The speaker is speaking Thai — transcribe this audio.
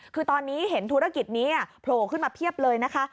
คือตอนนี้เห็นธุรกิจนี้โผล่ขึ้นมาเพียบเลยนะคะ